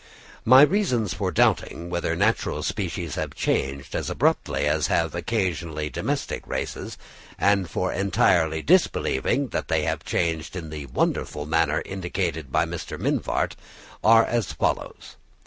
My reasons for doubting whether natural species have changed as abruptly as have occasionally domestic races, and for entirely disbelieving that they have changed in the wonderful manner indicated by Mr. Mivart, are as follows.